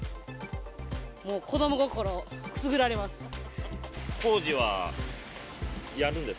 もう子ども心くすぐられます。